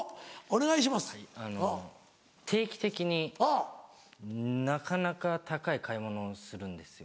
はいあの定期的になかなか高い買い物をするんですよ。